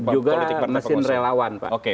juga mesin relawan pak